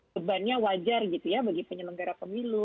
sebenarnya wajar bagi penyelenggara pemilu